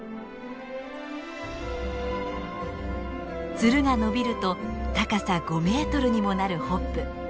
ツルが伸びると高さ５メートルにもなるホップ。